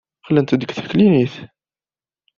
Qqlen-d seg teklinit.